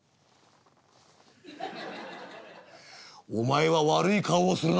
「お前は悪い顔をするなあ」。